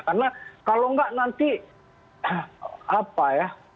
karena kalau enggak nanti apa ya